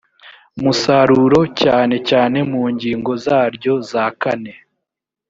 musaruro cyane cyane mu ngingo zaryo za kane